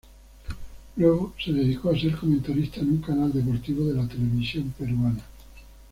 Luego se dedicó a ser comentarista en un canal deportivo de la televisión peruana.